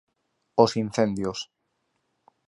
Os incendios.